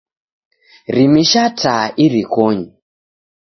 Rimisha taa irikonyi.